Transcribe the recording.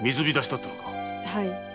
はい。